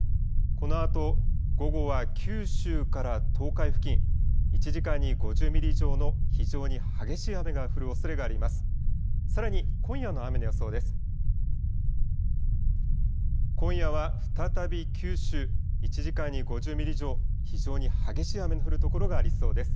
このあと午後は九州から東海付近、１時間に５０ミリ以上の非常に激しい雨が降るおそれがあります。